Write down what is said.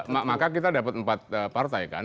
maka kita dapat empat partai kan